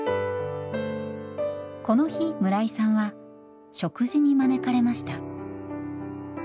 この日村井さんは食事に招かれました。